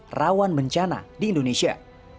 ini adalah sebuah perawahan bencana di indonesia